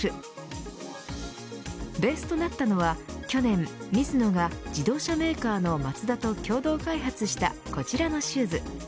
ベースとなったのは去年ミズノが自動車メーカーのマツダと共同開発したこちらのシューズ。